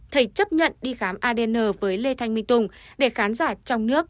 thầy chấp nhận đi khám adn với lê thanh minh tùng để khán giả trong nước